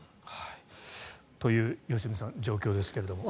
という良純さん状況ですけれども。